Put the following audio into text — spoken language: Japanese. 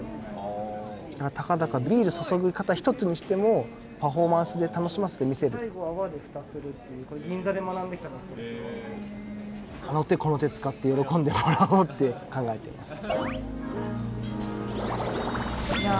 たかだかビール注ぎ方一つにしてもパフォーマンスで楽しませてみせるあの手この手使って喜んでもらおうって考えてます